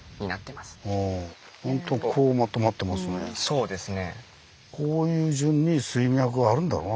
そうですね。